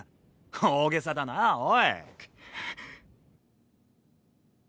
大げさだなぁおい。